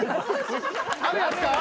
あるやつか？